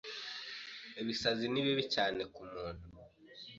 Ibisazi ni bibi cyane ku muntu